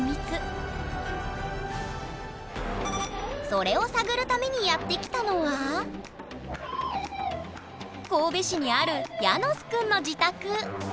それを探るためにやって来たのは神戸市にあるヤノスくんの自宅